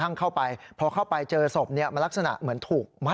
เท้าก็มัดยงเป็นเชือกเส้นเดียวกันเลยที่ดูเห็นนะ